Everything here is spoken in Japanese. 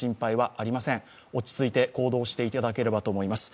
落ち着いて行動していただければと思います。